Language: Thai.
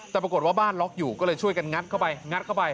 แต่ปรากฏว่าบ้านล็อคอยู่ก็เลยช่วยกันงัดเข้าไป